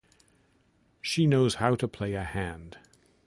She knows how to play a hand.